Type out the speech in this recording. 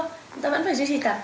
chúng ta vẫn phải duy trì tập